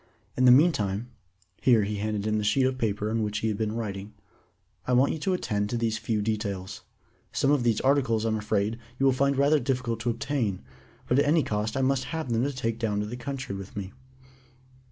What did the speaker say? In the meantime" (here he handed him the sheet of paper upon which he had been writing) "I want you to attend to these few details. Some of these articles, I'm afraid, you will find rather difficult to obtain, but at any cost I must have them to take down to the country with me."